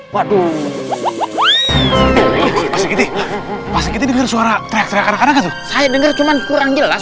waduh masih kita denger suara teriak teriak anak anak saya denger cuman kurang jelas